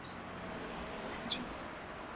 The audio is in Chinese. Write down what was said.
她应该安静地接受被强奸。